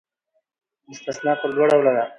مستثنی پر دوه ډوله ده.